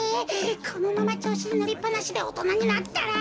このままちょうしにのりっぱなしでおとなになったら。